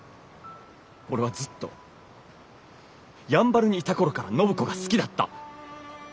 俺はずっとやんばるにいた頃から暢子が好きだった。